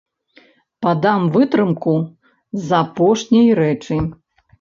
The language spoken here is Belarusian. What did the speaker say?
Падам вытрымку з апошняй рэчы.